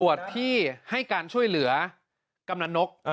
ที่ให้การช่วยเหลือกำนันนก